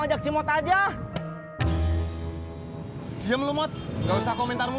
ajak cimot aja diam lu mot nggak usah komentar lu